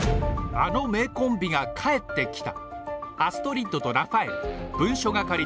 あの名コンビが帰ってきた！